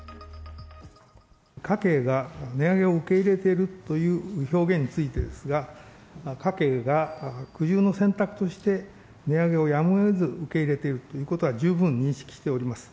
家計が値上げを受け入れているという表現についてですが、家計が苦渋の選択として値上げをやむをえず受け入れているということは十分認識しております。